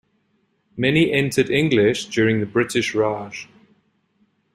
Many entered English during the British Raj.